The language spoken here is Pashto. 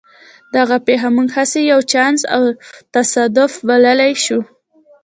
دغه پېښه موږ هسې یو چانس او تصادف بللای شو